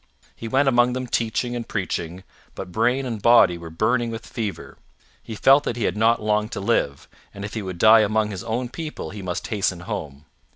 He went among them teaching and preaching; but brain and body were burning with fever; he felt that he had not long to live, and if he would die among his own people he must hasten home.